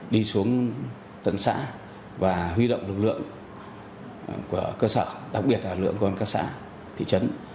đi xuống tận xã và huy động lực lượng của cơ sở đặc biệt là lực lượng công an các xã thị trấn